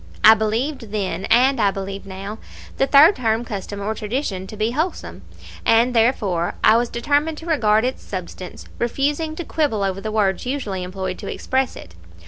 I believed then (and I believe now) the third term custom or tradition to be wholesome, and, therefore, I was determined to regard its substance, refusing to quibble over the words usually employed to express it.